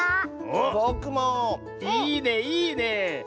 いいねいいね！